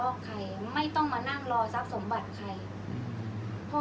อันไหนที่มันไม่จริงแล้วอาจารย์อยากพูด